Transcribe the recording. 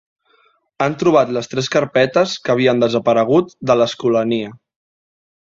Han trobat les tres carpetes que havien desaparegut de l'Escolania.